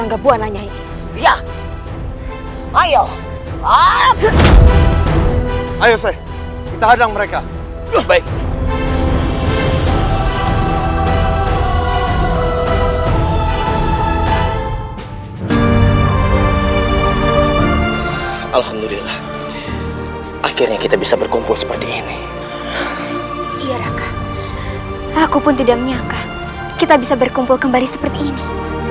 aku pun tidak menyangka kita bisa berkumpul kembali seperti ini